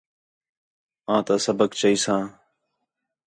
آں تَا سبق چائیساں